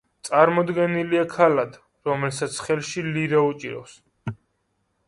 წარმოდგენილია ქალად, რომელსაც ხელში ლირა უჭირავს.